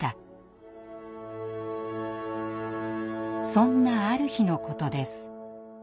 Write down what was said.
そんなある日のことです。